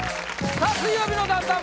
さあ「水曜日のダウンタウン」